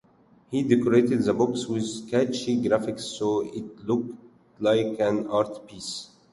He decorated the box with catchy graphics, so it looked like an art piece.